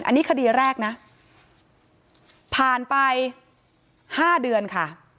อันนี้คดีแรกนะผ่านไป๕เดือนค่ะ